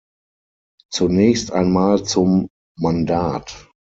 Zunächst einmal zum Mandat.